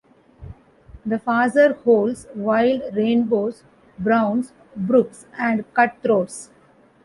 The Fraser holds wild rainbows, browns, brooks, and cutthroats.